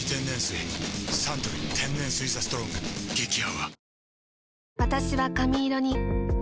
サントリー天然水「ＴＨＥＳＴＲＯＮＧ」激泡